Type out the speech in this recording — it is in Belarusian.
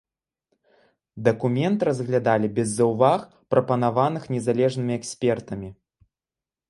Дакумент разглядалі без заўваг, прапанаваных незалежнымі экспертамі.